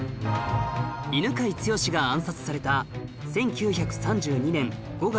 犬養毅が暗殺された１９３２年５月１５日